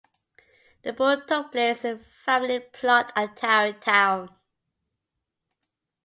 The burial took place in the family plot at Tarrytown.